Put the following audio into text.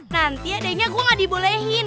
nanti adanya gue nggak dibolehin